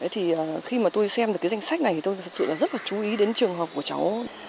thì khi mà tôi xem được cái danh sách này thì tôi thật sự là rất là chú ý đến trường hợp của cháu